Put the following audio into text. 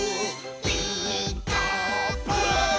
「ピーカーブ！」